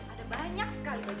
ada banyak sekali